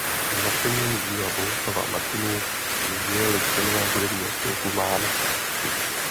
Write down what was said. Nadšení z díla Bohuslava Martinů sdíleli členové hudebního spolku Mánesa.